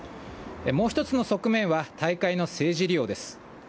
もう一つの側面は、大会の政治利用です。